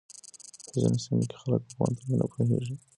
په ځينو سيمو کې خلک په پوهنتون نه پوهېږي.